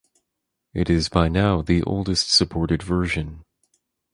It is by now the oldest supported version.